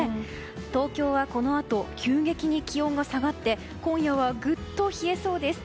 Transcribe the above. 東京はこのあと急激に気温が下がって今夜は、ぐっと冷えそうです。